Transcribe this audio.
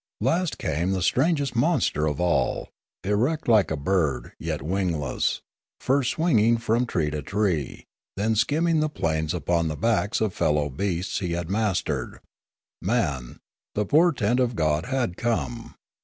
Last came the strangest monster of all, erect like a bird, yet wingless, first swinging from tree to tree, then skimming the plains upon the backs of fellow beasts he had mastered: man, the portent of God, had come.